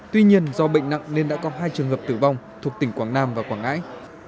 tuy nhiên do bệnh nặng nên đã có hai trường hợp tử vong thuộc tỉnh quảng nam và quảng ngãi